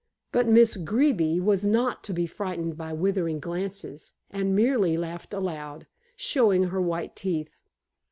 But Miss Greeby was not to be frightened by withering glances, and merely laughed aloud, showing her white teeth.